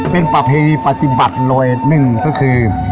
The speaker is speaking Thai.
เป็นประเพณีปฏิบัติรอยหนึ่งก็คือ